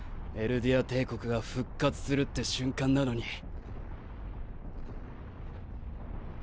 エルディア帝国が復活するって瞬間なのに。